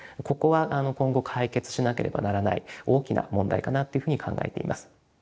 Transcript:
ここは今後解決しなければならない大きな問題かなっていうふうに考えています。